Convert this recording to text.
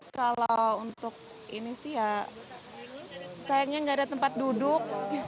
kalau untuk ini sih ya sayangnya nggak ada tempat duduk